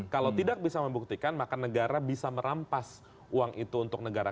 kalau tidak bisa membuktikan maka negara bisa merampas uang itu untuk negara